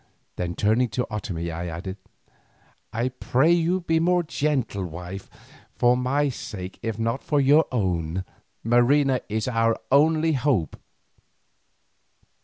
Then turning to Otomie I added, "I pray you be more gentle, wife, for my sake if not for your own. Marina is our only hope."